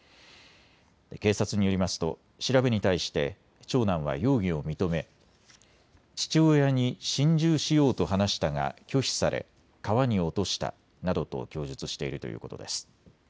警察によりますと調べに対して長男は容疑を認め父親に心中しようと話したが拒否され、川に落としたなどと供述しているということです。